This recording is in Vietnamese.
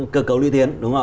cơ cấu lưu tiến đúng không